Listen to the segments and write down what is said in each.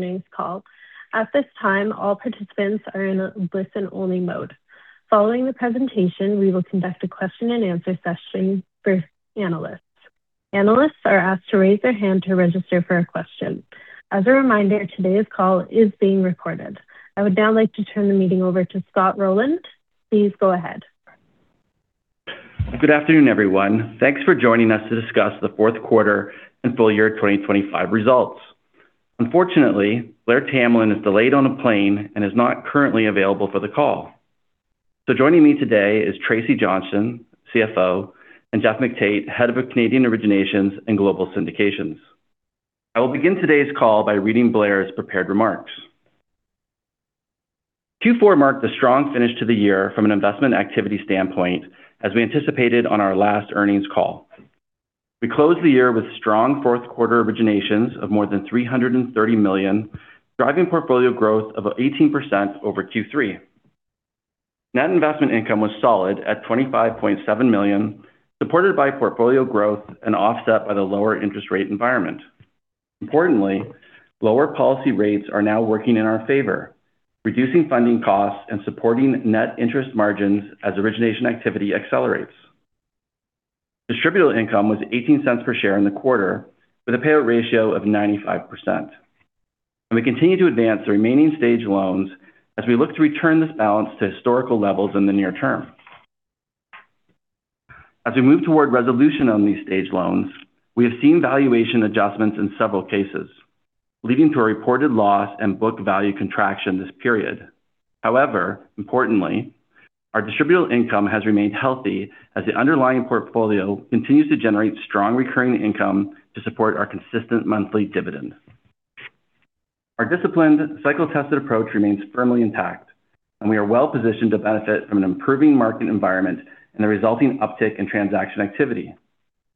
Earnings Call. At this time, all participants are in a listen-only mode. Following the presentation, we will conduct a question and answer session for analysts. Analysts are asked to raise their hand to register for a question. As a reminder, today's call is being recorded. I would now like to turn the meeting over to Scott Rowland. Please go ahead. Good afternoon, everyone. Thanks for joining us to discuss the fourth quarter and full year 2025 results. Unfortunately, Blair Tamblyn is delayed on a plane and is not currently available for the call. Joining me today is Tracy Johnston, CFO, and Geoff McTait, Head of Canadian Originations and Global Syndications. I will begin today's call by reading Blair's prepared remarks. Q4 marked a strong finish to the year from an investment activity standpoint, as we anticipated on our last earnings call. We closed the year with strong fourth quarter originations of more than 330 million, driving portfolio growth of 18% over Q3. Net investment income was solid at 25.7 million, supported by portfolio growth and offset by the lower interest rate environment. Importantly, lower policy rates are now working in our favor, reducing funding costs and supporting net interest margins as origination activity accelerates. Distributable income was 0.18 per share in the quarter, with a payout ratio of 95%. We continue to advance the remaining Stage loans as we look to return this balance to historical levels in the near term. As we move toward resolution on these Stage loans, we have seen valuation adjustments in several cases, leading to a reported loss and book value contraction this period. However, importantly, our distributable income has remained healthy as the underlying portfolio continues to generate strong recurring income to support our consistent monthly dividend. Our disciplined, cycle-tested approach remains firmly intact, and we are well-positioned to benefit from an improving market environment and the resulting uptick in transaction activity.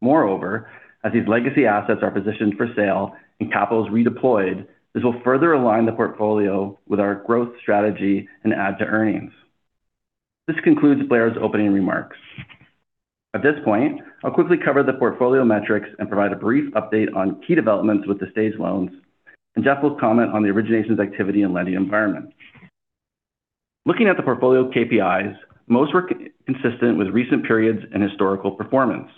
As these legacy assets are positioned for sale and capital is redeployed, this will further align the portfolio with our growth strategy and add to earnings. This concludes Blair's opening remarks. At this point, I'll quickly cover the portfolio metrics and provide a brief update on key developments with the stage loans, and Geoff will comment on the originations activity and lending environment. Looking at the portfolio KPIs, most were consistent with recent periods and historical performance.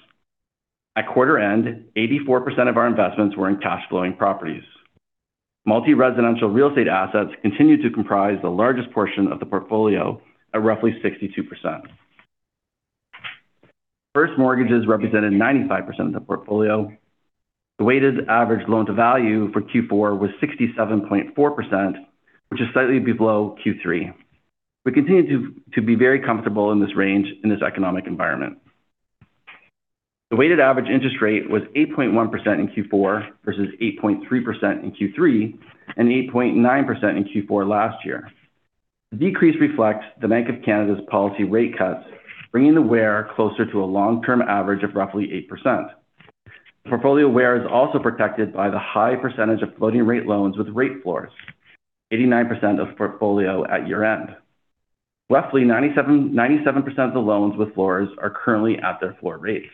At quarter end, 84% of our investments were in cash flowing properties. Multi-residential real estate assets continued to comprise the largest portion of the portfolio at roughly 62%. First mortgages represented 95% of the portfolio. The weighted average loan to value for Q4 was 67.4%, which is slightly below Q3. We continue to be very comfortable in this range in this economic environment. The weighted average interest rate was 8.1% in Q4, versus 8.3% in Q3 and 8.9% in Q4 last year. The decrease reflects the Bank of Canada's policy rate cuts, bringing the WAIR closer to a long-term average of roughly 8%. The portfolio WAIR is also protected by the high percentage of floating rate loans with rate floors, 89% of portfolio at year-end. Roughly 97% of the loans with floors are currently at their floor rates.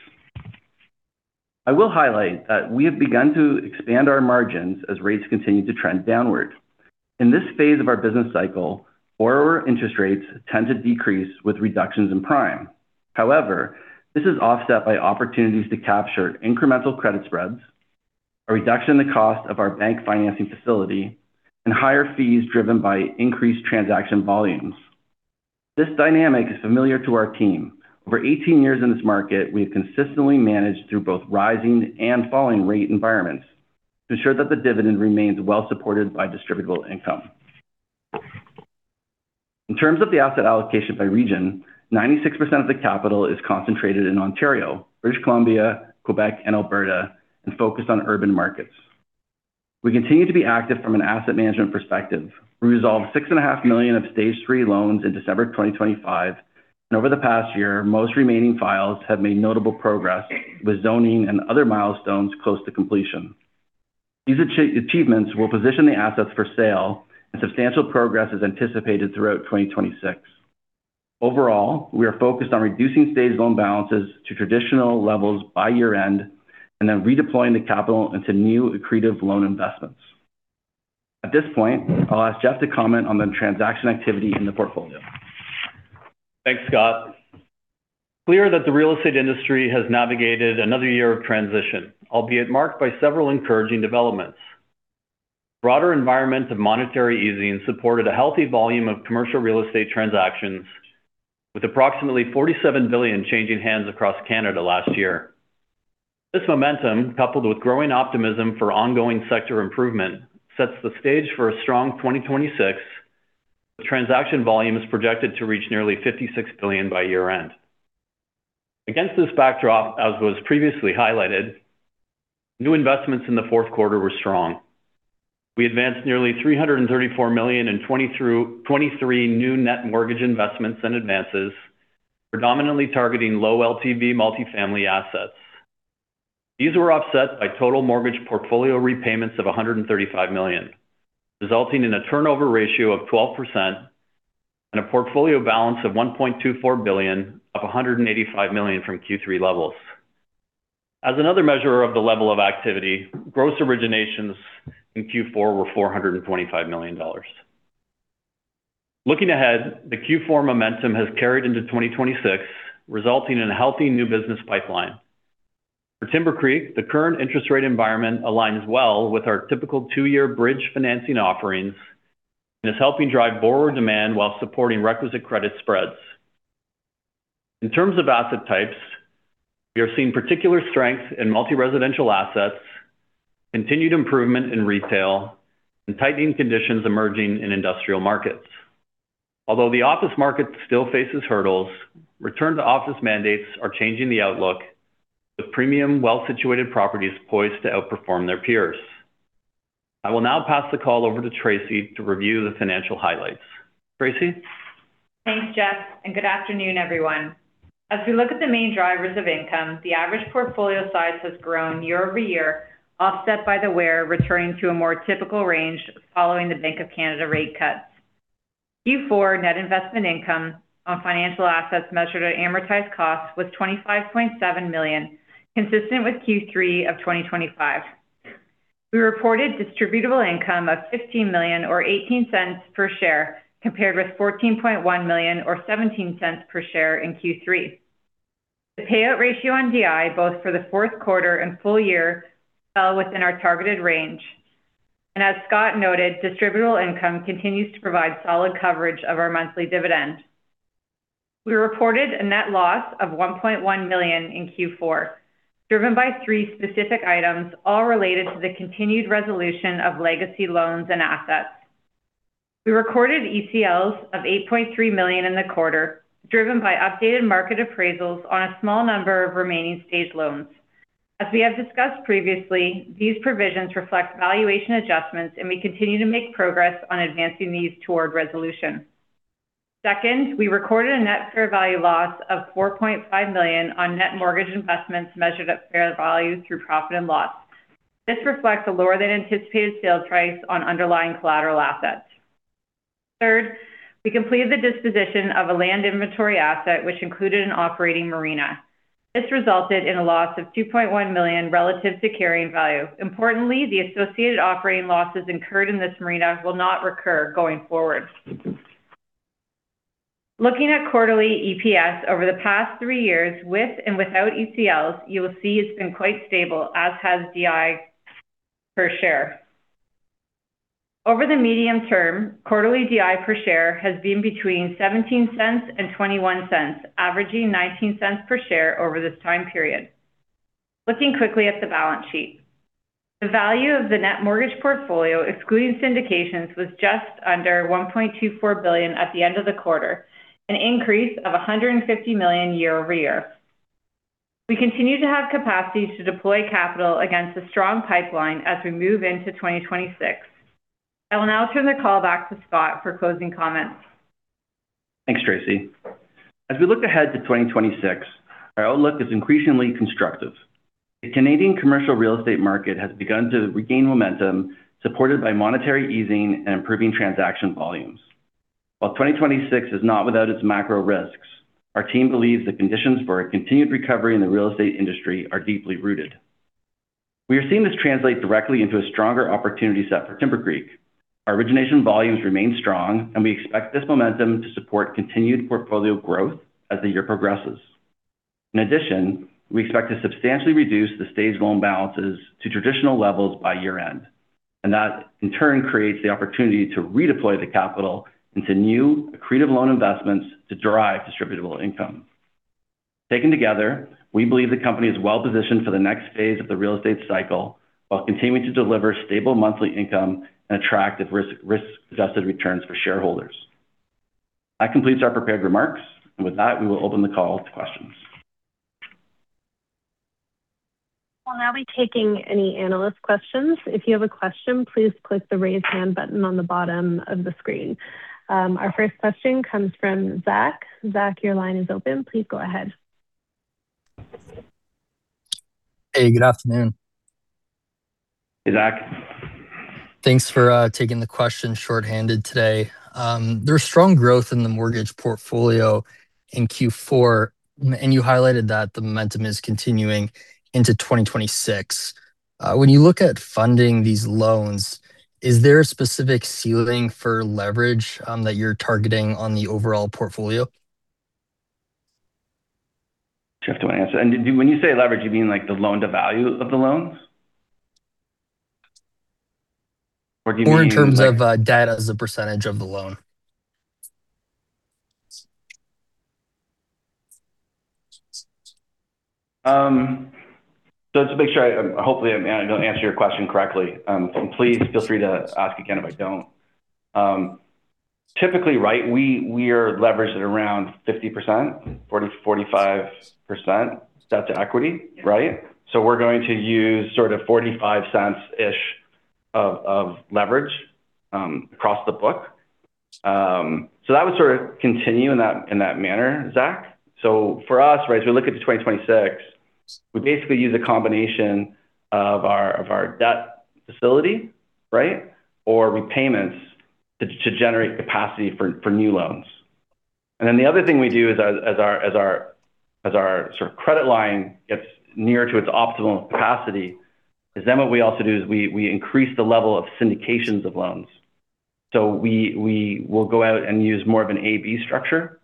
I will highlight that we have begun to expand our margins as rates continue to trend downward. In this phase of our business cycle, borrower interest rates tend to decrease with reductions in prime. However, this is offset by opportunities to capture incremental credit spreads, a reduction in the cost of our bank financing facility, and higher fees driven by increased transaction volumes. This dynamic is familiar to our team. Over 18 years in this market, we have consistently managed through both rising and falling rate environments to ensure that the dividend remains well supported by distributable income. In terms of the asset allocation by region, 96% of the capital is concentrated in Ontario, British Columbia, Quebec and Alberta, and focused on urban markets. We continue to be active from an asset management perspective. We resolved 6.5 million of Stage 3 loans in December 2025, and over the past year, most remaining files have made notable progress, with zoning and other milestones close to completion. These achievements will position the assets for sale. Substantial progress is anticipated throughout 2026. Overall, we are focused on reducing stage loan balances to traditional levels by year-end, redeploying the capital into new accretive loan investments. At this point, I'll ask Geoff to comment on the transaction activity in the portfolio. Thanks, Scott. Clear that the real estate industry has navigated another year of transition, albeit marked by several encouraging developments. Broader environments of monetary easing supported a healthy volume of commercial real estate transactions, with approximately 47 billion changing hands across Canada last year. This momentum, coupled with growing optimism for ongoing sector improvement, sets the stage for a strong 2026, with transaction volume is projected to reach nearly 56 billion by year-end. Against this backdrop, as was previously highlighted, new investments in the fourth quarter were strong. We advanced nearly 334 million in 23 new net mortgage investments and advances, predominantly targeting low LTV multifamily assets. These were offset by total mortgage portfolio repayments of 135 million, resulting in a turnover ratio of 12% and a portfolio balance of 1.24 billion, up 185 million from Q3 levels. As another measure of the level of activity, gross originations in Q4 were 425 million dollars. Looking ahead, the Q4 momentum has carried into 2026, resulting in a healthy new business pipeline. For Timbercreek, the current interest rate environment aligns well with our typical two-year bridge financing offerings and is helping drive borrower demand while supporting requisite credit spreads. In terms of asset types, we are seeing particular strength in multi-residential assets, continued improvement in retail, and tightening conditions emerging in industrial markets. Although the office market still faces hurdles, return-to-office mandates are changing the outlook, with premium, well-situated properties poised to outperform their peers. I will now pass the call over to Tracy to review the financial highlights. Tracy? Thanks, Geoff. Good afternoon, everyone. As we look at the main drivers of income, the average portfolio size has grown year-over-year, offset by the WAIR returning to a more typical range following the Bank of Canada rate cuts. Q4 net investment income on financial assets measured at amortized cost was 25.7 million, consistent with Q3 of 2025. We reported distributable income of 15 million or 0.18 per share, compared with 14.1 million or 0.17 per share in Q3. The payout ratio on DI, both for the fourth quarter and full year, fell within our targeted range. As Scott noted, distributable income continues to provide solid coverage of our monthly dividend. We reported a net loss of 1.1 million in Q4, driven by three specific items, all related to the continued resolution of legacy loans and assets. We recorded ECLs of 8.3 million in the quarter, driven by updated market appraisals on a small number of remaining stage loans. As we have discussed previously, these provisions reflect valuation adjustments, and we continue to make progress on advancing these toward resolution. Second, we recorded a net fair value loss of 4.5 million on net mortgage investments measured at fair value through profit or loss. This reflects a lower-than-anticipated sales price on underlying collateral assets. Third, we completed the disposition of a land inventory asset, which included an operating marina. This resulted in a loss of 2.1 million relative to carrying value. Importantly, the associated operating losses incurred in this marina will not recur going forward. Looking at quarterly EPS over the past three years, with and without ECLs, you will see it's been quite stable, as has DI per share. Over the medium term, quarterly DI per share has been between 0.17 and 0.21, averaging 0.19 per share over this time period. Looking quickly at the balance sheet. The value of the net mortgage portfolio, excluding syndications, was just under 1.24 billion at the end of the quarter, an increase of 150 million year-over-year. We continue to have capacity to deploy capital against a strong pipeline as we move into 2026. I will now turn the call back to Scott for closing comments. Thanks, Tracy. As we look ahead to 2026, our outlook is increasingly constructive. The Canadian commercial real estate market has begun to regain momentum, supported by monetary easing and improving transaction volumes. While 2026 is not without its macro risks, our team believes the conditions for a continued recovery in the real estate industry are deeply rooted. We are seeing this translate directly into a stronger opportunity set for Timbercreek. Our origination volumes remain strong, and we expect this momentum to support continued portfolio growth as the year progresses. In addition, we expect to substantially reduce the stage loan balances to traditional levels by year-end, and that, in turn, creates the opportunity to redeploy the capital into new accretive loan investments to drive distributable income. Taken together, we believe the company is well positioned for the next phase of the real estate cycle, while continuing to deliver stable monthly income and attractive risk-adjusted returns for shareholders. That completes our prepared remarks. With that, we will open the call to questions. We'll now be taking any analyst questions. If you have a question, please click the Raise Hand button on the bottom of the screen. Our first question comes from Zach. Zach, your line is open. Please go ahead. Hey, good afternoon. Hey, Zach. Thanks for taking the question short-handed today. There's strong growth in the mortgage portfolio in Q4, and you highlighted that the momentum is continuing into 2026. When you look at funding these loans, is there a specific ceiling for leverage that you're targeting on the overall portfolio? Do you have to answer? When you say leverage, you mean like the loan-to-value of the loans? Or do you mean like-- In terms of debt as a percentage of the loan. Just to make sure I hopefully, I'm gonna answer your question correctly. Please feel free to ask again if I don't. Typically, right, we are leveraged at around 50%, 40%-45%. That's equity, right? We're going to use sort of 0.45-ish of leverage across the book. That would sort of continue in that manner, Zach. For us, right, as we look into 2026, we basically use a combination of our debt facility, right, or repayments to generate capacity for new loans. The other thing we do is as our sort of credit line gets nearer to its optimal capacity, is then what we also do is we increase the level of syndications of loans. We will go out and use more of an A/B structure.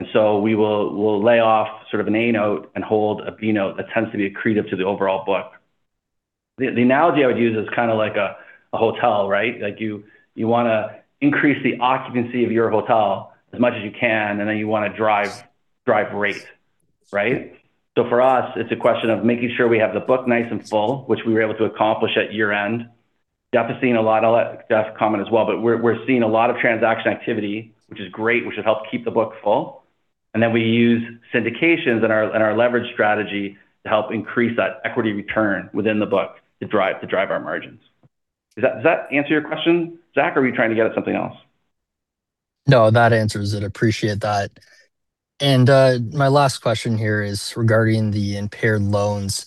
We'll lay off sort of an A note and hold a B Note that tends to be accretive to the overall book. The analogy I would use is kind of like a hotel, right? Like, you want to increase the occupancy of your hotel as much as you can, and then you want to drive rate, right? For us, it's a question of making sure we have the book nice and full, which we were able to accomplish at year-end. Definitely seeing a lot of that common as well. We're seeing a lot of transaction activity, which is great, which has helped keep the book full. We use syndications in our leverage strategy to help increase that equity return within the book to drive our margins. Does that answer your question, Zach? Or were you trying to get at something else? No, that answers it. Appreciate that. My last question here is regarding the impaired loans.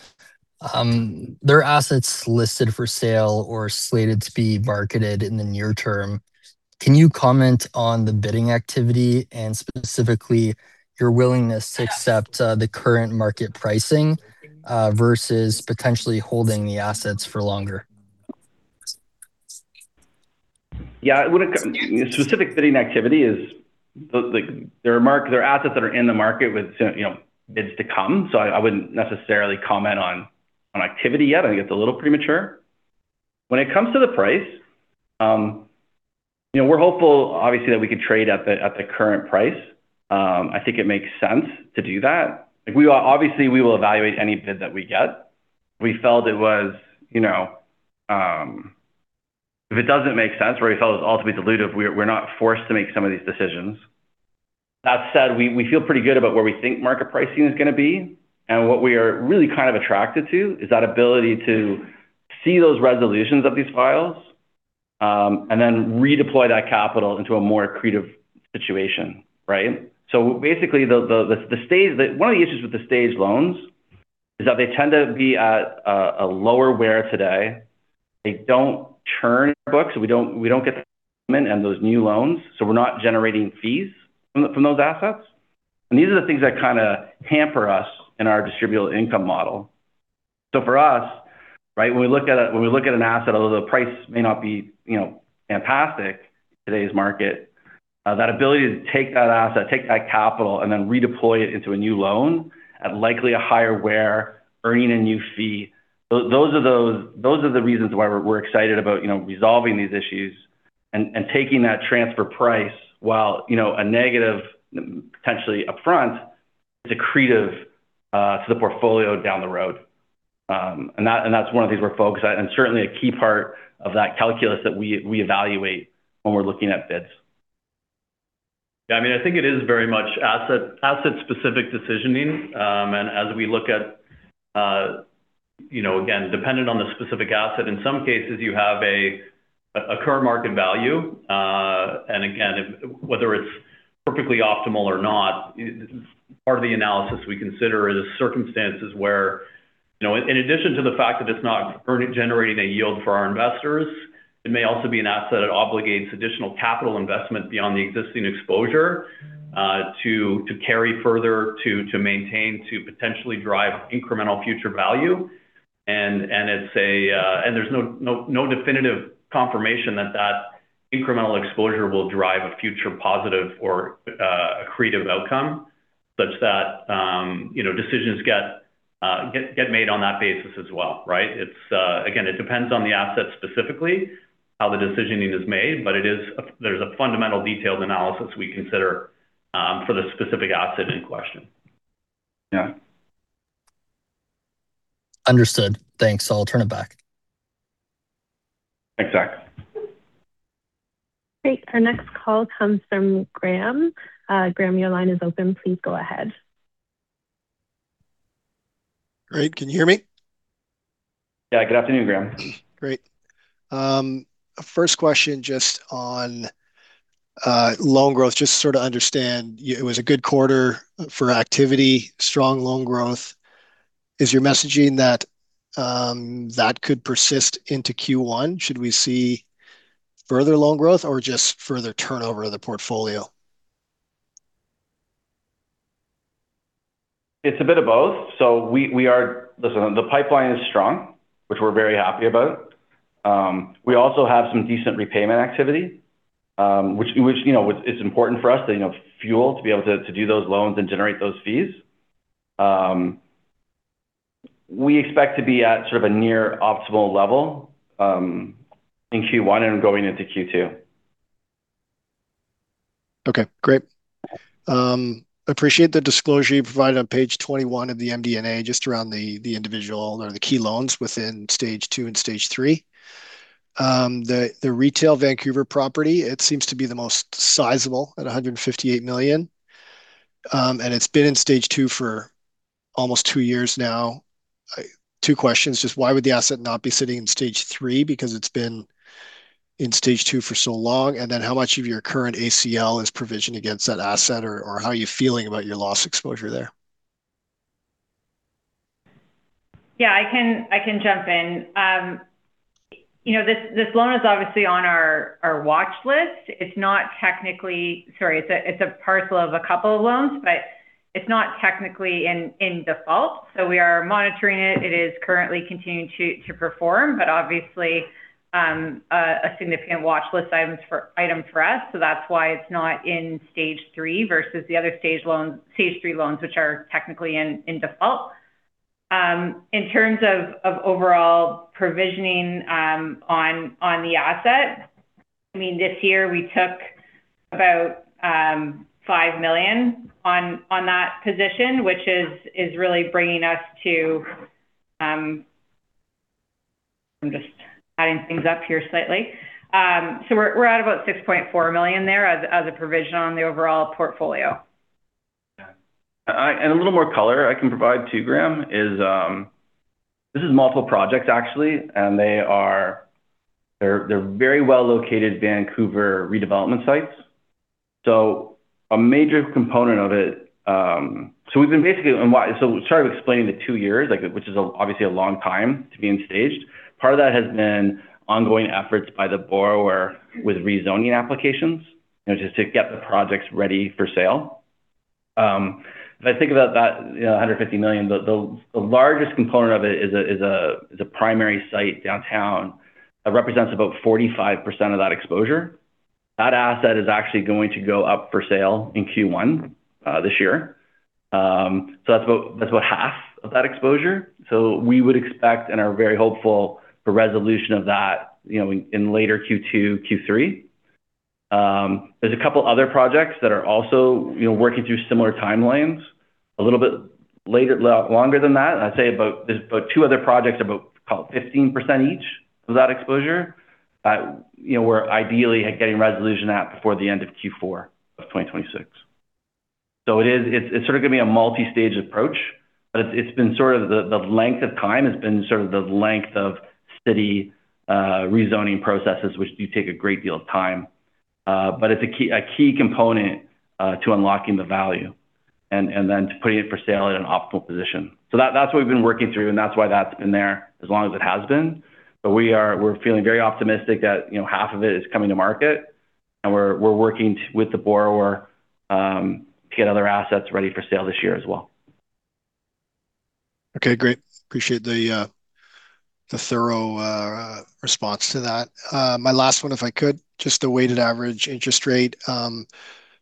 There are assets listed for sale or slated to be marketed in the near term. Can you comment on the bidding activity and specifically your willingness to accept, the current market pricing, versus potentially holding the assets for longer? Yeah, specific bidding activity is the, like, there are assets that are in the market with, you know, bids to come, so I wouldn't necessarily comment on activity yet. I think it's a little premature. When it comes to the price, you know, we're hopeful, obviously, that we could trade at the, at the current price. I think it makes sense to do that. Like, obviously, we will evaluate any bid that we get. We felt it was, you know, if it doesn't make sense or we felt it was ultimately dilutive, we're not forced to make some of these decisions. That said, we feel pretty good about where we think market pricing is going to be, and what we are really kind of attracted to is that ability to see those resolutions of these files, and then redeploy that capital into a more accretive situation, right? Basically, the Stage 1 of the issues with the Stage loans is that they tend to be at a lower WAIR today. They don't turn books. We don't get them in and those new loans, so we're not generating fees from those assets. These are the things that kind of hamper us in our distributed income model. For us, right, when we look at an asset, although the price may not be, you know, fantastic in today's market, that ability to take that asset, take that capital, and then redeploy it into a new loan at likely a higher WAIR, earning a new fee, those are the reasons why we're excited about, you know, resolving these issues and taking that transfer price, while, you know, a negative potentially upfront, is accretive to the portfolio down the road. That, and that's one of the things we're focused on, and certainly a key part of that calculus that we evaluate when we're looking at bids. Yeah, I mean, I think it is very much asset-specific decisioning. As we look at, you know, again, dependent on the specific asset, in some cases, you have a current market value. Again, if whether it's perfectly optimal or not, part of the analysis we consider is circumstances where, you know, in addition to the fact that it's not earning, generating a yield for our investors, it may also be an asset that obligates additional capital investment beyond the existing exposure, to carry further, to maintain, to potentially drive incremental future value. There's no definitive confirmation that that incremental exposure will derive a future positive or accretive outcome, such that, you know, decisions get made on that basis as well, right? It's, again, it depends on the asset, specifically, how the decisioning is made, but there's a fundamental detailed analysis we consider, for the specific asset in question. Yeah. Understood. Thanks. I'll turn it back. Thanks, Zach. Great. Our next call comes from Graham. Graham, your line is open. Please go ahead. Great. Can you hear me? Yeah. Good afternoon, Graham. Great. First question, just on loan growth, just to sort of understand, it was a good quarter for activity, strong loan growth. Is your messaging that that could persist into Q1? Should we see further loan growth or just further turnover of the portfolio? It's a bit of both. Listen, the pipeline is strong, which we're very happy about. We also have some decent repayment activity, which, you know, is important for us to, you know, fuel, to be able to do those loans and generate those fees. We expect to be at sort of a near optimal level in Q1 and going into Q2. Okay, great. Appreciate the disclosure you provided on page 21 of the MD&A, just around the individual or the key loans within Stage 2 and Stage 3. The retail Vancouver property, it seems to be the most sizable at 158 million, and it's been in Stage 2 for almost two years now. Two questions: Just why would the asset not be sitting in Stage 3, because it's been in Stage 2 for so long? How much of your current ACL is provisioned against that asset, or how are you feeling about your loss exposure there? Yeah, I can jump in. You know, this loan is obviously on our watch list. Sorry, it's a parcel of a couple of loans, but it's not technically in default. We are monitoring it. It is currently continuing to perform, but obviously, a significant watch list item for us. That's why it's not in Stage 3 versus the other Stage 3 loans, which are technically in default. In terms of overall provisioning on the asset, I mean, this year we took about 5 million on that position, which is really bringing us to-- I'm just adding things up here slightly. We're at about 6.4 million there as a provision on the overall portfolio. Yeah. And a little more color I can provide too, Graham, is, this is multiple projects actually, and they're very well-located Vancouver redevelopment sites. A major component of it. Sorry for explaining the two years, like, which is obviously a long time to be in Stage 2. Part of that has been ongoing efforts by the borrower with rezoning applications, you know, just to get the projects ready for sale. If I think about that, you know, 150 million, the largest component of it is a primary site downtown, that represents about 45% of that exposure. That asset is actually going to go up for sale in Q1 this year. That's about half of that exposure. We would expect and are very hopeful for resolution of that, you know, in later Q2, Q3. There's a couple other projects that are also, you know, working through similar timelines, a little bit longer than that. I'd say about, there's about two other projects, about call it 15% each of that exposure, that, you know, we're ideally getting resolution at before the end of Q4 of 2026. It's sort of going to be a multi-stage approach, but it's been sort of the length of time, has been sort of the length of city rezoning processes, which do take a great deal of time. It's a key component to unlocking the value and then to putting it for sale at an optimal position. That, that's what we've been working through, and that's why that's been there as long as it has been. We're feeling very optimistic that, you know, half of it is coming to market, and we're working with the borrower to get other assets ready for sale this year as well. Okay, great. Appreciate the thorough response to that. My last one, if I could, just the weighted average interest rate.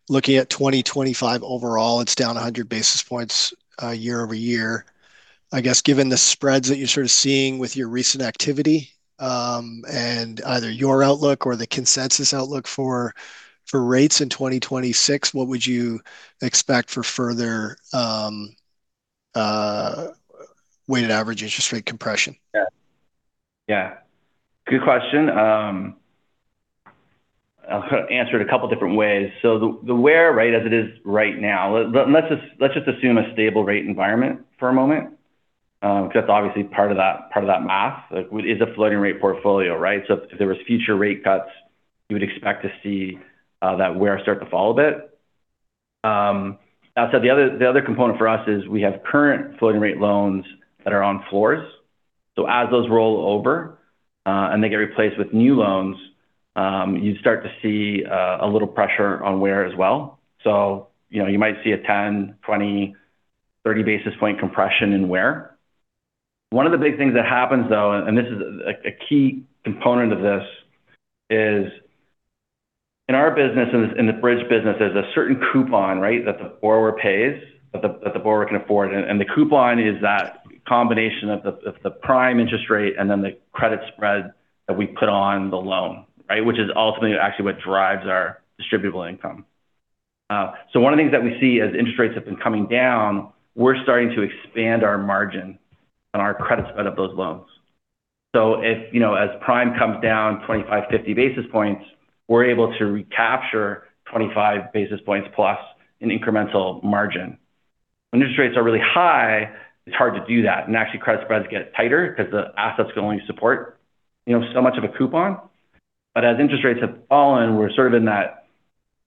Looking at 2025 overall, it's down 100 basis points year-over-year. I guess, given the spreads that you're sort of seeing with your recent activity, and either your outlook or the consensus outlook for rates in 2026, what would you expect for further weighted average interest rate compression? Yeah. Good question. I'll answer it a couple different ways. The, the where, right, as it is right now, let's just, let's just assume a stable rate environment for a moment, because that's obviously part of that, part of that math. Like, it's a floating rate portfolio, right? If there was future rate cuts, you would expect to see that where start to fall a bit. That said, the other, the other component for us is we have current floating rate loans that are on floors. As those roll over, and they get replaced with new loans, you start to see a little pressure on where as well. You know, you might see a 10, 20, 30 basis point compression in where. One of the big things that happens, though, and this is a key component of this, is in our business, in the bridge business, there's a certain coupon, right, that the borrower pays, that the borrower can afford. The coupon is that combination of the prime interest rate and then the credit spread that we put on the loan, right? Which is ultimately actually what drives our distributable income. One of the things that we see as interest rates have been coming down, we're starting to expand our margin and our credit spread of those loans. If, you know, as prime comes down 25, 50 basis points, we're able to recapture 25 basis points plus an incremental margin. When interest rates are really high, it's hard to do that, and actually, credit spreads get tighter because the assets can only support, you know, so much of a coupon. As interest rates have fallen, we're sort of in that,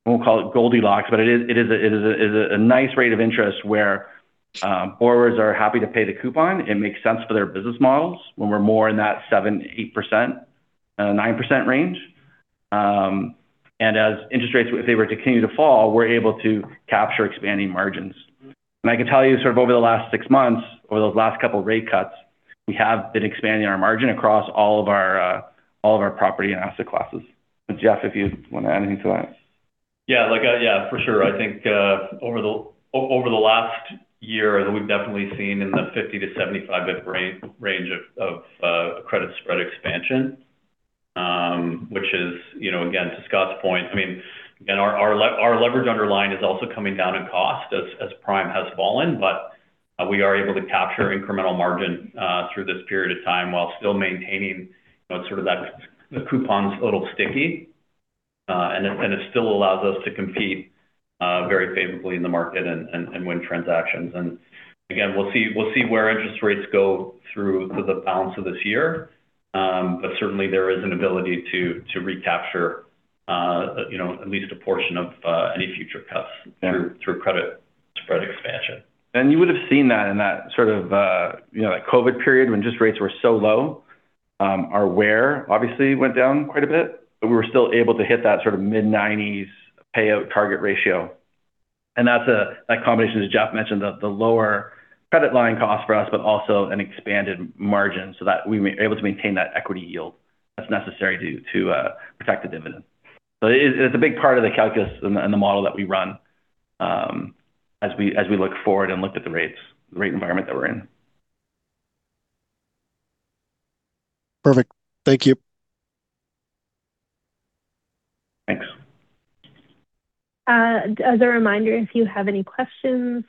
I won't call it Goldilocks, but it's a nice rate of interest where borrowers are happy to pay the coupon. It makes sense for their business models when we're more in that 7%, 8%, 9% range. As interest rates, if they were to continue to fall, we're able to capture expanding margins. I can tell you, sort of over the last six months or those last couple of rate cuts, we have been expanding our margin across all of our property and asset classes. Geoff, if you want to add anything to that? Yeah, like, yeah, for sure. I think, over the last year, we've definitely seen in the 50-75 bps range of credit spread expansion, which is, you know, again, to Scott's point, I mean, and our leverage underlying is also coming down in cost as prime has fallen, but we are able to capture incremental margin through this period of time while still maintaining, you know, sort of that, the coupon's a little sticky, and it still allows us to compete very favorably in the market and win transactions. Again, we'll see where interest rates go through to the balance of this year. Certainly there is an ability to recapture-you know, at least a portion of, any future cuts through credit spread expansion. You would have seen that in that sort of, you know, that COVID period when interest rates were so low. Our WAIR obviously went down quite a bit, but we were still able to hit that sort of mid-nineties payout target ratio. That's a, that combination, as Geoff mentioned, of the lower credit line cost for us, but also an expanded margin so that we were able to maintain that equity yield that's necessary to protect the dividend. It's a big part of the calculus and the model that we run, as we look forward and look at the rates, the rate environment that we're in. Perfect. Thank you. Thanks. As a reminder, if you have any questions,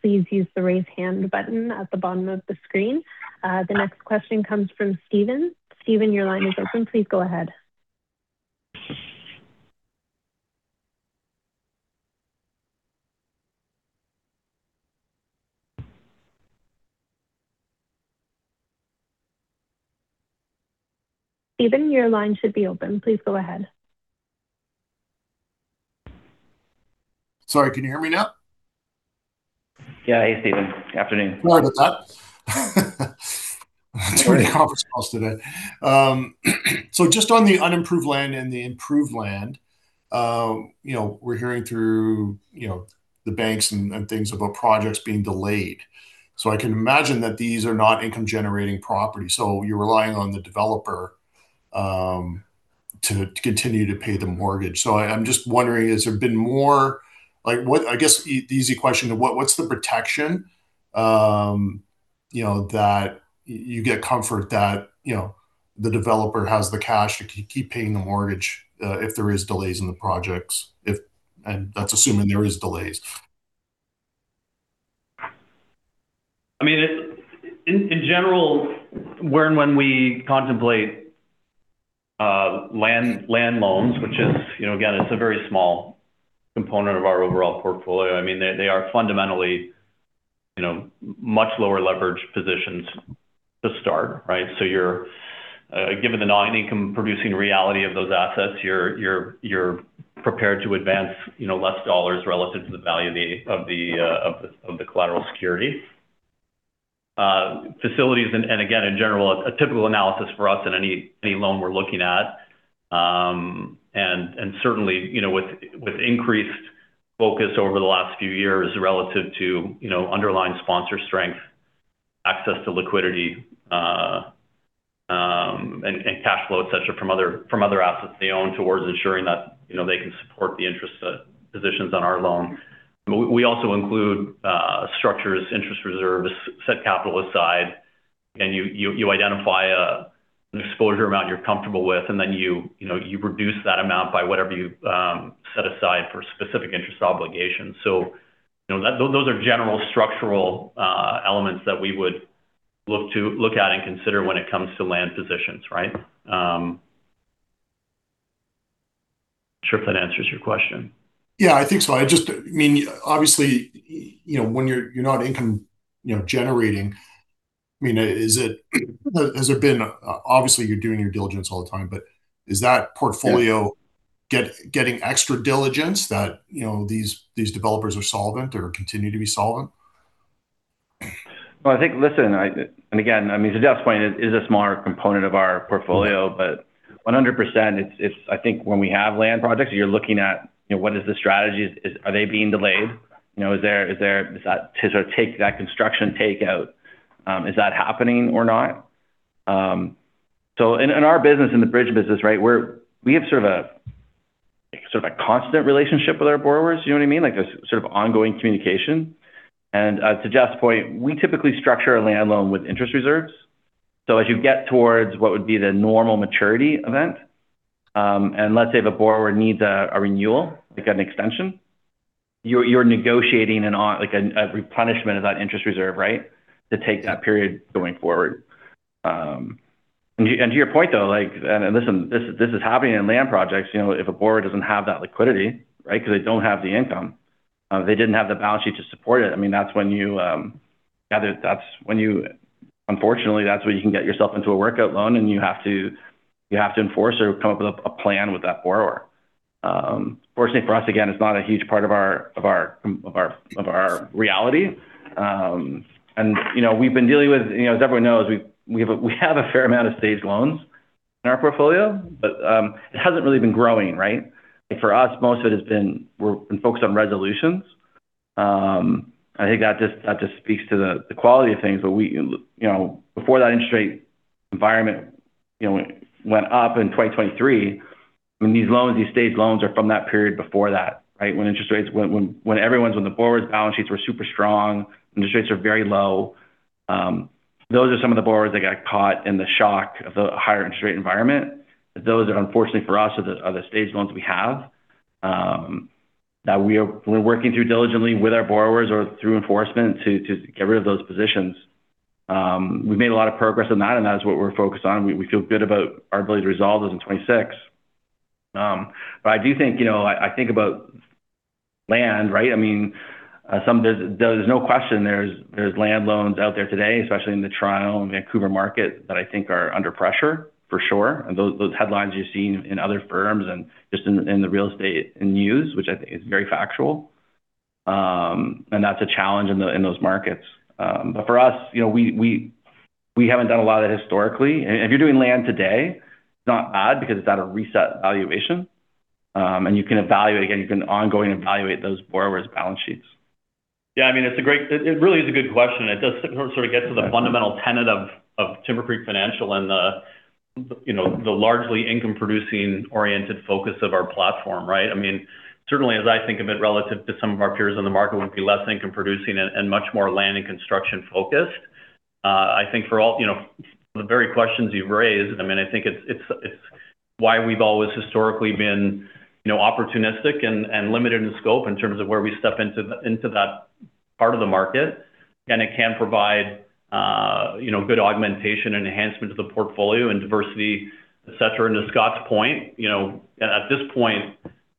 please use the Raise Hand button at the bottom of the screen. The next question comes from Stephen. Stephen, your line is open. Please go ahead. Stephen, your line should be open. Please go ahead. Sorry, can you hear me now? Yeah. Hey, Stephen. Afternoon. How are the top? Too many conference calls today. Just on the unimproved land and the improved land, you know, we're hearing through, you know, the banks and things about projects being delayed. I can imagine that these are not income-generating properties, you're relying on the developer to continue to pay the mortgage. I'm just wondering, I guess the easy question, what's the protection, you know, that you get comfort that, you know, the developer has the cash to keep paying the mortgage if there is delays in the projects? That's assuming there is delays. I mean, in general, when we contemplate land loans, which is, you know, again, it's a very small component of our overall portfolio. I mean, they are fundamentally, you know, much lower leverage positions to start, right? You're given the non-income producing reality of those assets, you're prepared to advance, you know, less dollars relative to the value of the collateral security. Facilities, and again, in general, a typical analysis for us in any loan we're looking at, and certainly, you know, with increased focus over the last few years relative to, you know, underlying sponsor strength, access to liquidity, and cash flow, et cetera, from other assets they own, towards ensuring that, you know, they can support the interest positions on our loan. We also include structures, interest reserves, set capital aside, and you identify an exposure amount you're comfortable with, and then you know, you reduce that amount by whatever you set aside for specific interest obligations. You know, those are general structural elements that we would look at and consider when it comes to land positions, right? I'm sure if that answers your question. Yeah, I think so. I just, I mean, obviously, you know, when you're not income, you know, generating, I mean, has there been, obviously, you're doing your diligence all the time, but is that portfolio-- getting extra diligence that, you know, these developers are solvent or continue to be solvent? Well, I think, listen, I again, I mean, to Geoff's point, it is a smaller component of our portfolio, but 100% it's I think when we have land projects, you're looking at, you know, what is the strategy? Are they being delayed? You know, is there does that to sort of take that construction take out, is that happening or not? In our business, in the bridge business, right, we have sort of a constant relationship with our borrowers. You know what I mean? Like, a sort of ongoing communication. To Geoff's point, we typically structure a land loan with interest reserves. As you get towards what would be the normal maturity event, and let's say the borrower needs a renewal, like an extension, you're negotiating like a replenishment of that interest reserve, right? To take that period going forward. To your point, though, like, and listen, this is happening in land projects, you know, if a borrower doesn't have that liquidity, right? Because they don't have the income, they didn't have the balance sheet to support it. I mean, that's when you unfortunately, that's when you can get yourself into a workout loan and you have to, you have to enforce or come up with a plan with that borrower. Fortunately for us, again, it's not a huge part of our reality. You know, we've been dealing with, you know, as everyone knows, we have a, we have a fair amount of staged loans in our portfolio, but it hasn't really been growing, right? For us, most of it has been, we're focused on resolutions. I think that just, that just speaks to the quality of things. We, you know, before that interest rate environment, you know, went up in 2023, when these loans, these staged loans are from that period before that, right? When interest rates, when everyone's on the borrowers' balance sheets were super strong, interest rates are very low. Those are some of the borrowers that got caught in the shock of the higher interest rate environment. Those that, unfortunately for us, are the staged loans we have, that we're working through diligently with our borrowers or through enforcement to get rid of those positions. We've made a lot of progress on that, and that is what we're focused on. We feel good about our ability to resolve those in 2026. I do think, you know, I think about land, right? I mean, there's no question there's land loans out there today, especially in the Toronto and Vancouver market, that I think are under pressure, for sure. Those, those headlines you've seen in other firms and just in the real estate news, which I think is very factual. That's a challenge in those markets. For us, you know, we haven't done a lot of that historically. If you're doing land today, it's not odd because it's at a reset valuation, and you can again ongoing evaluate those borrowers' balance sheets. Yeah, I mean, it really is a good question, and it does sort of get to the fundamental tenet of Timbercreek Financial and the, you know, the largely income-producing oriented focus of our platform, right? I mean, certainly, as I think of it, relative to some of our peers in the market, would be less income-producing and much more land and construction-focused. I think for all, you know, the very questions you've raised, I mean, I think it's why we've always historically been, you know, opportunistic and limited in scope in terms of where we step into that part of the market. It can provide, you know, good augmentation and enhancement to the portfolio and diversity, et cetera. To Scott's point, you know, at this point,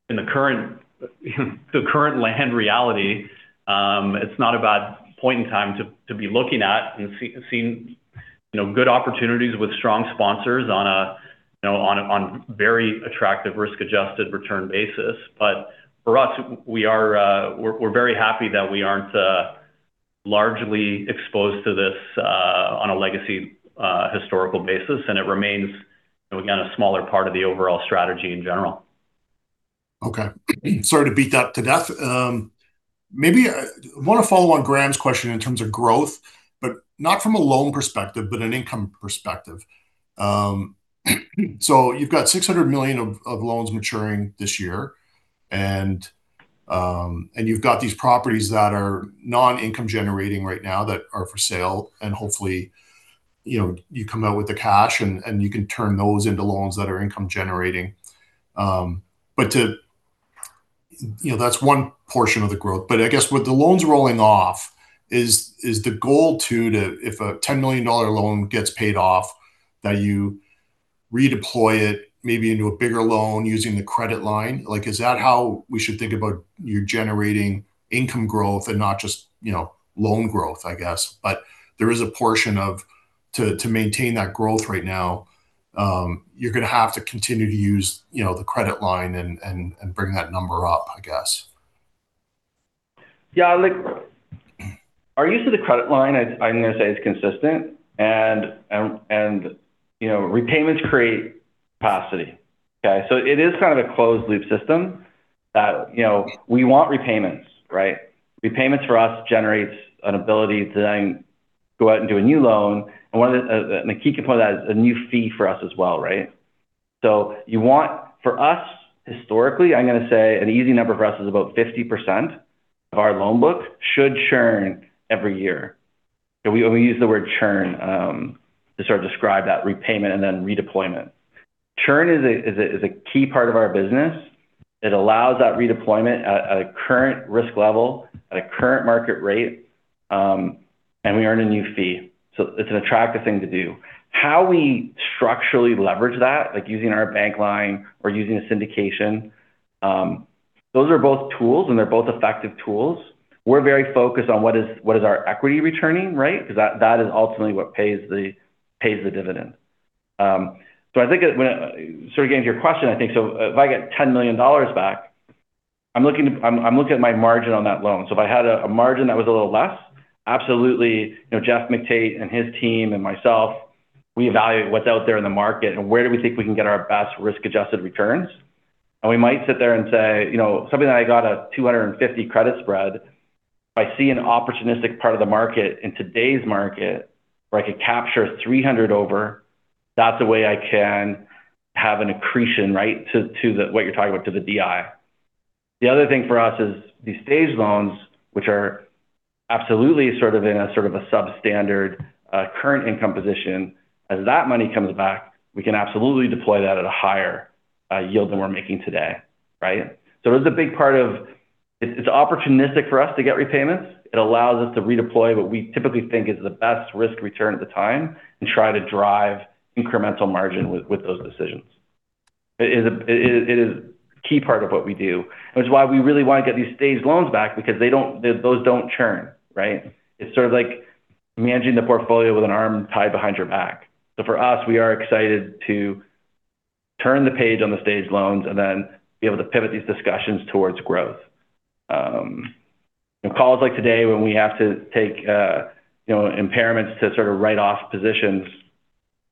in the current land reality, it's not a bad point in time to be looking at and seeing, you know, good opportunities with strong sponsors on a, you know, on a very attractive risk-adjusted return basis. For us, we're very happy that we aren't largely exposed to this on a legacy, historical basis, and it remains, again, a smaller part of the overall strategy in general. Okay. Sorry to beat that to death. Maybe I want to follow on Graham's question in terms of growth, but not from a loan perspective, but an income perspective. You've got 600 million of loans maturing this year, and you've got these properties that are non-income generating right now that are for sale, and hopefully, you know, you come out with the cash and you can turn those into loans that are income generating. You know, that's one portion of the growth, but I guess with the loans rolling off, is the goal to, if a 10 million dollar loan gets paid off, that you redeploy it maybe into a bigger loan using the credit line? Like, is that how we should think about you generating income growth and not just, you know, loan growth, I guess? There is a portion of to maintain that growth right now, you know, you're going to have to continue to use the credit line and bring that number up, I guess. Yeah, like, our use of the credit line, I'm going to say, is consistent. You know, repayments create capacity. Okay, so it is kind of a closed-loop system that, you know, we want repayments, right? Repayments for us generates an ability to then go out and do a new loan, and one of the, and the key component is a new fee for us as well, right? For us, historically, I'm gonna say an easy number for us is about 50% of our loan book should churn every year. We use the word churn to sort of describe that repayment and then redeployment. Churn is a key part of our business. It allows that redeployment at a current risk level, at a current market rate, and we earn a new fee, so it's an attractive thing to do. How we structurally leverage that, like using our bank line or using a syndication, those are both tools, and they're both effective tools. We're very focused on what is, what is our equity returning, right? Because that is ultimately what pays the, pays the dividend. I think it, when sort of getting to your question, I think so if I get 10 million dollars back, I'm looking at my margin on that loan. If I had a margin that was a little less, absolutely, you know, Geoff McTait and his team and myself, we evaluate what's out there in the market and where do we think we can get our best risk-adjusted returns. We might sit there and say, you know, something that I got a 250 credit spread, if I see an opportunistic part of the market in today's market where I could capture 300 over, that's a way I can have an accretion, right, to the what you're talking about, to the DI. The other thing for us is these Stage loans, which are absolutely sort of in a substandard current income position. As that money comes back, we can absolutely deploy that at a higher yield than we're making today, right? It's a big part of-- It's opportunistic for us to get repayments. It allows us to redeploy what we typically think is the best risk return at the time and try to drive incremental margin with those decisions. It is a key part of what we do. It's why we really want to get these Stage loans back because those don't churn, right? It's sort of like managing the portfolio with an arm tied behind your back. For us, we are excited to turn the page on the Stage loans and then be able to pivot these discussions towards growth. Calls like today, when we have to take, you know, impairments to sort of write off positions,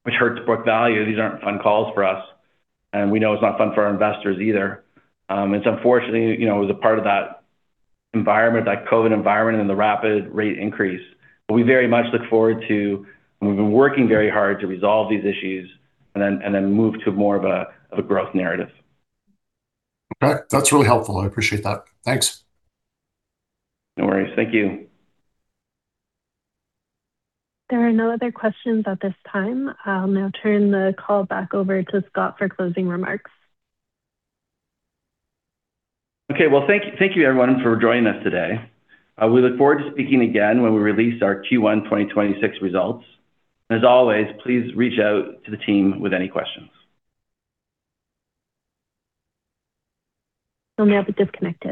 which hurts book value, these aren't fun calls for us, and we know it's not fun for our investors either. It's unfortunately, you know, as a part of that environment, that COVID environment and the rapid rate increase. We very much look forward to, and we've been working very hard to resolve these issues and then move to more of a growth narrative. Okay. That's really helpful. I appreciate that. Thanks. No worries. Thank you. There are no other questions at this time. I'll now turn the call back over to Scott for closing remarks. Okay. Well, thank you, everyone, for joining us today. We look forward to speaking again when we release our Q1 2026 results. As always, please reach out to the team with any questions. You may now disconnect it.